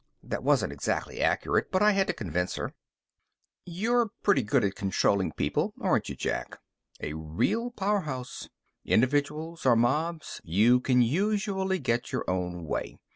That wasn't exactly accurate, but I had to convince her. "You're pretty good at controlling people, aren't you, Jack. A real powerhouse. Individuals, or mobs, you can usually get your own way.